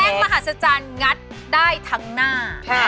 มหาศจรรย์งัดได้ทั้งหน้า